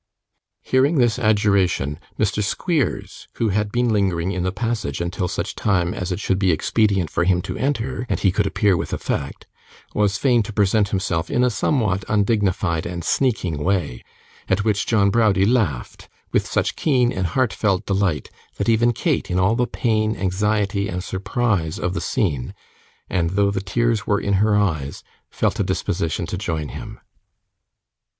Hearing this adjuration, Mr. Squeers, who had been lingering in the passage until such time as it should be expedient for him to enter and he could appear with effect, was fain to present himself in a somewhat undignified and sneaking way; at which John Browdie laughed with such keen and heartfelt delight, that even Kate, in all the pain, anxiety, and surprise of the scene, and though the tears were in her eyes, felt a disposition to join him.